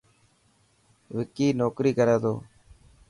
وڪي نوڪري ڪري ٿو.